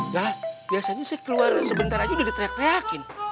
nah biasanya saya keluar sebentar aja udah diteriak teriakin